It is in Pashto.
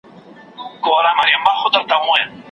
استاد وویل چي د محصل په مزاج کي باید څېړنه وي.